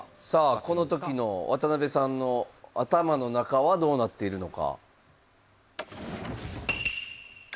この時の渡辺さんの頭の中はどうなっているのか。